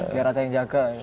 biar ada yang jaga